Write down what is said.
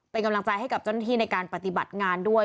เป็นกำลังใจให้กับเจ้าหน้าที่ในการปฏิบัติงานด้วย